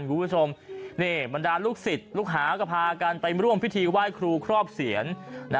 คุณผู้ชมบรรดาลูกศิษย์ลูกหาก็พากันไปร่วมพิธีไหว้ครูครอบเสียน